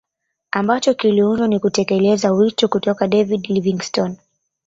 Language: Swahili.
Ambacho kiliundwa ili kutekeleza wito kutoka David Livingstone